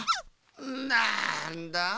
なんだあ。